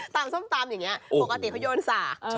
ส้มตำอย่างนี้ปกติเขาโยนสาก